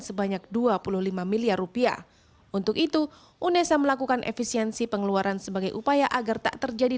sebanyak dua puluh lima miliar rupiah untuk itu unesa melakukan efisiensi pengeluaran sebagai upaya agar tak terjadi